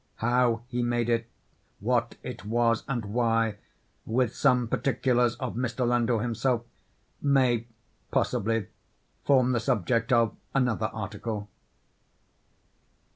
How he made it what it was—and why—with some particulars of Mr. Landor himself—may, possibly form the subject of another article.